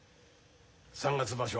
三月場所